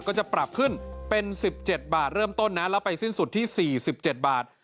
ก็จะปรับขึ้นเป็น๑๗บาทเริ่มต้นนะแล้วไปสิ้นสุดที่๔๗บาท